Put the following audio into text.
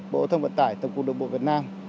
bộ thông vận tải tổng cục đường bộ việt nam